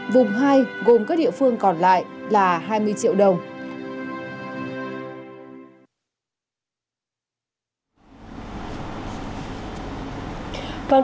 vùng hai gồm các địa phương còn lại là hai mươi triệu đồng